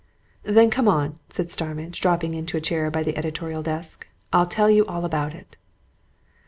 "Then come on," said Starmidge, dropping into a chair by the editorial desk. "I'll tell you all about it."